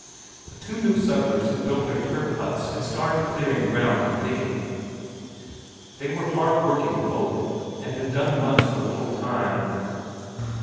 The two new settlers had built their turf huts and started clearing ground and digging. They were hard working folk, and had done much in a little time.